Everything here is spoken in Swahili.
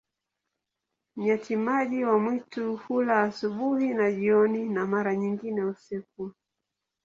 Nyati-maji wa mwitu hula asubuhi na jioni, na mara nyingine usiku.